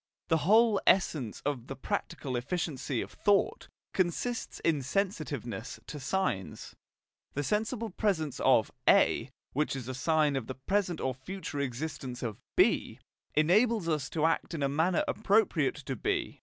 The whole essence of the practical efficiency of "thought" consists in sensitiveness to signs: the sensible presence of A, which is a sign of the present or future existence of B, enables us to act in a manner appropriate to B.